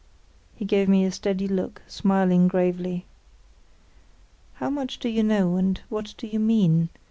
He gave me a steady look, smiling gravely. "How much do you know, and what do you mean?"